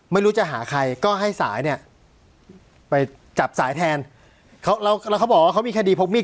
ไม่รู้จะหาใครก็ให้สายเนี่ยไปจับสายแทนเขาแล้วเขาบอกว่าเขามีคดีพกมีด